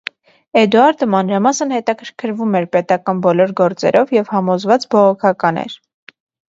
Էդուարդը մանրամասն հետաքրքրվում էր պետական բոլոր գործերով և համոզված բողոքական էր։